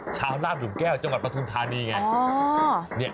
ชาวน้าสหงุกแก้วจังหัดปรฐูนทานีไง